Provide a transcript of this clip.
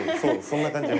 そんな感じ